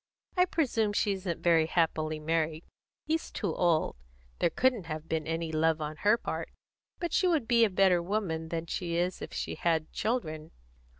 I presume she isn't very happily married; he's too old; there couldn't have been any love on her part. But she would be a better woman than she is if she had children.